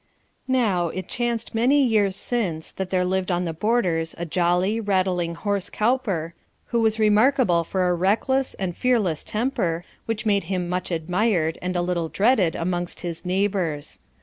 Now, it chanced many years since that there lived on the Borders a jolly, rattling horse cowper, who was remarkable for a reckless and fearless temper, which made him much admired and a little dreaded amongst his neighbours.